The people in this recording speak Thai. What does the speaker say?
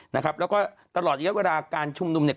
นะครับแล้วก็ตลอดระยะเวลาการชุมนุมเนี่ย